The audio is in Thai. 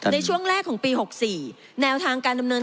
ในช่วงแรกของปี๖๔แนวทางการดำเนิน